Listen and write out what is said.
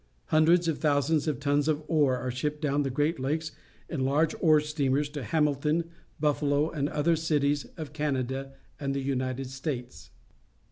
Hundreds of thousands of tons of iron ore are shipped down the Great Lakes in large ore steamers to Hamilton, Buffalo, and other cities of Canada and the United States.